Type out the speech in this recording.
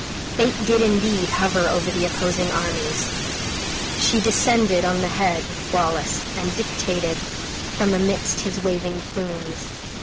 Fate did indeed hover over the opposing armies. She descended on the head of Wallace, and dictated from amidst his waving plumes.